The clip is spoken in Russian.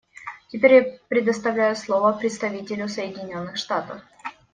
Теперь я предоставляю слово представителю Соединенных Штатов.